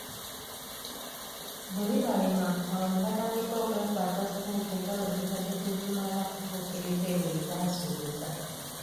Bwe bibalema olwo nebatandika okwekwasa ssente nga bwezibadde tezimala kutuukiriza ebyo byebaasuubiza,